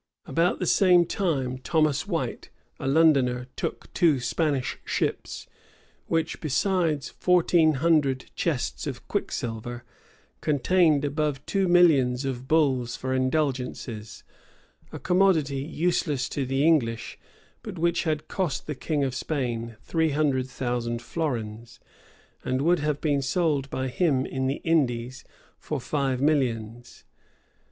[] About the same time, Thomas White, a Londoner, took two Spanish ships, which, besides fourteen hundred chests of quicksilver, contained above two millions of bulls for indulgences; a commodity useless to the English, but which had cost the king of Spain three hundred thousand florins, and would have been sold by him in the Indies for five millions.